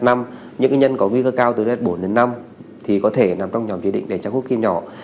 những nhân có nguy cơ cao từ t rat bốn đến năm thì có thể nằm trong nhóm chỉ định để chọc hút kim nhỏ